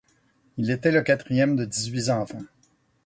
Il était le quatrième de dix-huit enfants.